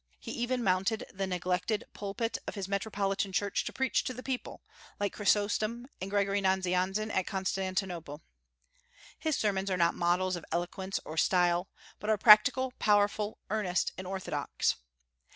He even mounted the neglected pulpit of his metropolitan church to preach to the people, like Chrysostom and Gregory Nazianzen at Constantinople. His sermons are not models of eloquence or style, but are practical, powerful, earnest, and orthodox.